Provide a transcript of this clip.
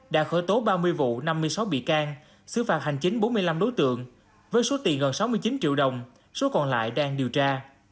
đã khởi tố ba mươi vụ năm mươi sáu bị can xứ phạt hành chính bốn mươi năm đối tượng với số tiền gần sáu mươi chín triệu đồng số còn lại đang điều tra